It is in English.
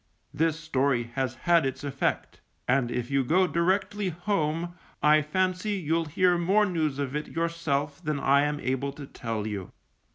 This story has had its effect, and if you go directly home, I fancy you'll hear more news of it yourself than I am able to tell you.